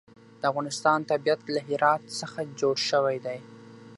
د افغانستان طبیعت له هرات څخه جوړ شوی دی.